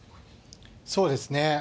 そうですね。